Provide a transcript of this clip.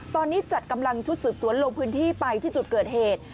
ตอนนี้จัดกำลังชุดสืบสวนลงพื้นที่ไปที่จุดเกิดเหตุ